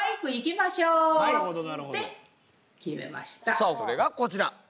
さあそれがこちら。